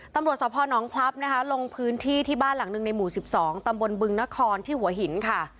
ตำรวจสพนพลับนะคะลงพื้นที่ที่บ้านหลังหนึ่งในหมู่๑๒ตำบลบึงนครที่หัวหินค่ะ